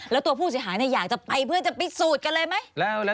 แล้วตัวผู้เสียหายอยากจะไปเพื่อจะพิสูจน์กันเลยไหม